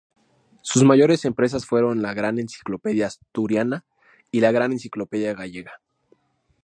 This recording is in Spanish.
Sus mayores empresas fueron la "Gran Enciclopedia Asturiana" y la "Gran Enciclopedia Gallega".